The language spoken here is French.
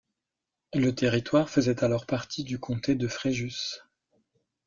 Le territoire faisait alors partie du comté de Fréjus.